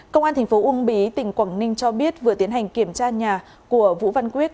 công an tp ung bí tỉnh quảng ninh cho biết vừa tiến hành kiểm tra nhà của vũ văn quyết